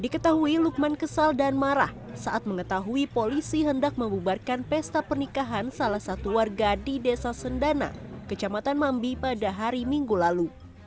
diketahui lukman kesal dan marah saat mengetahui polisi hendak membubarkan pesta pernikahan salah satu warga di desa sendana kecamatan mambi pada hari minggu lalu